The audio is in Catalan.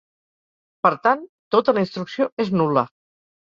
Per tant, tota la instrucció és nul·la.